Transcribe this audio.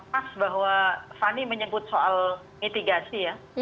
pas bahwa fani menyebut soal mitigasi ya